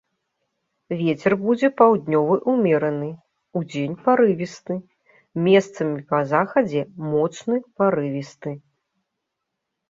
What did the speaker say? Вецер будзе паўднёвы ўмераны, удзень парывісты, месцамі па захадзе моцны парывісты.